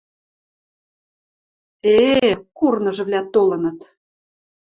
Э-э, курныжвлӓ толыныт.